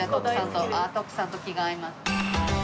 徳さんと気が合います。